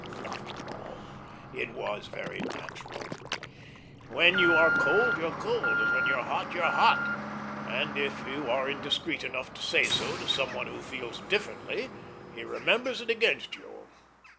After all, it was very natural. When you are cold, you're cold, and when you're hot, you're hot; and if you are indiscreet enough to say so to some one who feels differently, he remembers it against you.